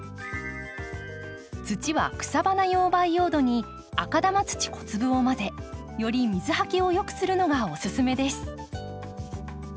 土は草花用培養土に赤玉土小粒を混ぜより水はけをよくするのがおすすめです。